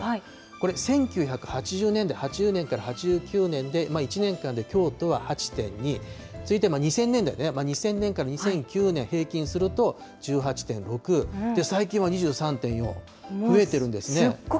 これ、１９８０年代、８０年から８９年で、１年間で京都は８．２、続いて２０００年代ね、２０００年から２００９年、平均すると１８．６、最近は２３．４、増えてるんですね。